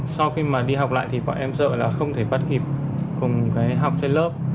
sau khi mà đi học lại thì bọn em sợ là không thể bắt kịp cùng cái học trên lớp